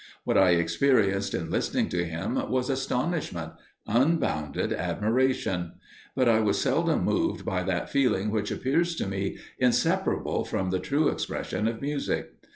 What I experienced in listening to him was astonishment unbounded admiration; but I was seldom moved by that feeling which appears to me inseparable from the true expression of music.